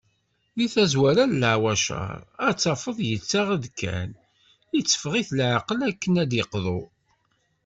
Deg tazwara n leɛwacar, ad t-tafeḍ yettaɣ-d kan, itteffeɣ-it leɛqel akken ad d-yeqḍu.